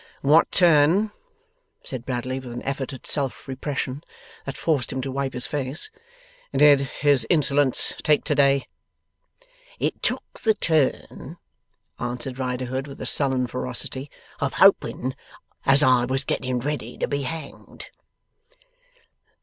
'What turn,' said Bradley, with an effort at self repression that forced him to wipe his face, 'did his insolence take to day?' 'It took the turn,' answered Riderhood, with sullen ferocity, 'of hoping as I was getting ready to be hanged.